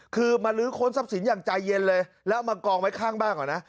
คือมาลื้อค้นทรัพย์สินอย่างใจเย็นเลยแล้วเอามากองไว้ข้างบ้านก่อนนะ